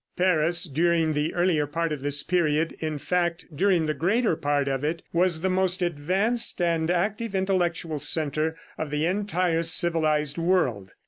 Paris, during the earlier part of this period, in fact during the greater part of it, was the most advanced and active intellectual center of the entire civilized world.